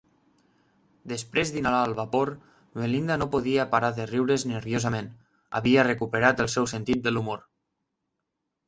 Després d'inhalar el vapor, Melinda no podia parar de riure's nerviosament: havia recuperat el seu sentit de l'humor.